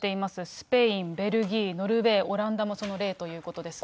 スペイン、ベルギー、ノルウェー、オランダもその例ということですね。